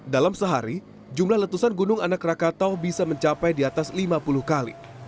dalam sehari jumlah letusan gunung anak rakatau bisa mencapai di atas lima puluh kali